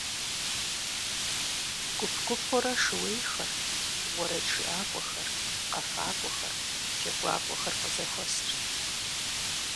Гуп-гупурэ шууейхэр, уэрэджыӀакӀуэхэр, къэфакӀуэхэр, джэгуакӀуэхэр къызэхуэсырт.